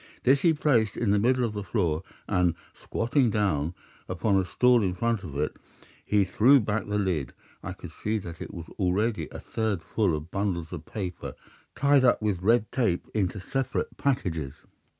This he placed in the middle of the floor and, squatting down upon a stool in front of it, he threw back the lid. I could see that it was already a third full of bundles of paper tied up with red tape into separate packages.